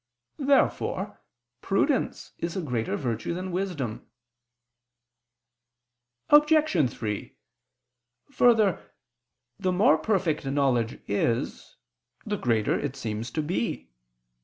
Therefore prudence is a greater virtue than wisdom. Obj. 3: Further, the more perfect knowledge is, the greater it seems to be.